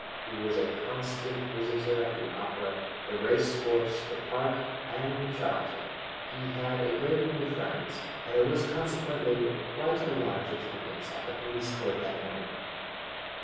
He was a constant visitor at the opera, the racecourse, the Park, and the Carlton, he had a great many friends, and there was consequently quite a large attendance at the police court that morning.